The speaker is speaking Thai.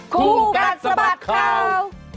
ครูการสมัครข่าว